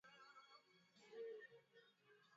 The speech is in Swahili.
wakati wa ukame Viazi lishe ndio mkombozi wa mkulima